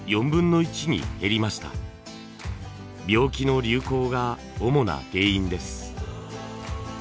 病気の流行が主な原因です。